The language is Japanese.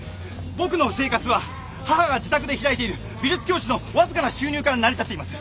僕の生活は母が自宅で開いている美術教室のわずかな収入から成り立っています。